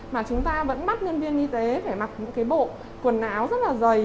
mà chúng ta vẫn mắt nhân viên y tế phải mặc những bộ quần áo rất là dày